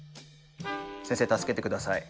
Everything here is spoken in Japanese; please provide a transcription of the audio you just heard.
先生助けて下さい。